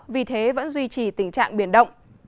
vì thế vẫn duy trì tình trạng biển động